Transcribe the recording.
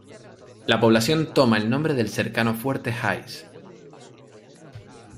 La población toma el nombre del cercano Fuerte Hays.